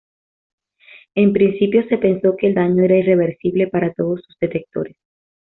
En principio, se pensó que el daño era irreversible para todos sus detectores.